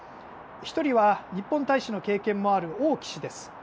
１人は日本大使の経験もある王毅氏です。